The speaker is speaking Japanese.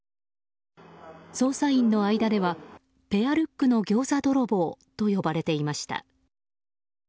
捜査員の間ではペアルックのギョーザ泥棒と呼ばれていました。